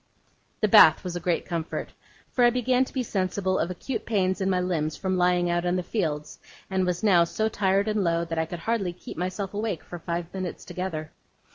The bath was a great comfort. For I began to be sensible of acute pains in my limbs from lying out in the fields, and was now so tired and low that I could hardly keep myself awake for five minutes together.